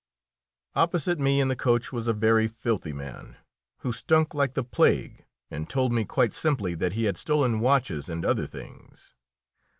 Opposite me in the coach was a very filthy man, who stunk like the plague, and told me quite simply that he had stolen watches and other things.